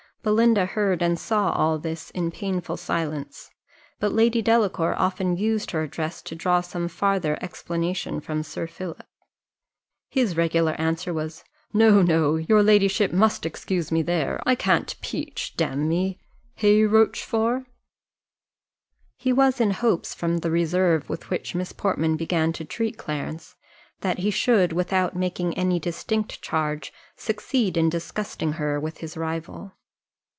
Belinda heard and saw all this in painful silence, but Lady Delacour often used her address to draw some farther explanation from Sir Philip: his regular answer was, "No, no, your ladyship must excuse me there; I can't peach, damme hey, Rochfort?" He was in hopes, from the reserve with which Miss Portman began to treat Clarence, that he should, without making any distinct charge, succeed in disgusting her with his rival.